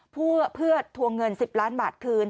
เพื่อทวงเงิน๑๐ล้านบาทคืน